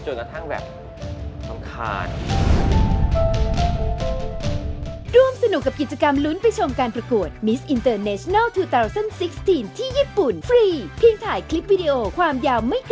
จนกระทั่งแบบต้ำคาญ